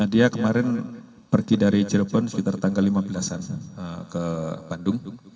dia kemarin pergi dari cirebon sekitar tanggal lima belas ke bandung